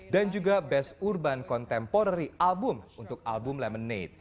dan juga best urban contemporary album untuk album lemonade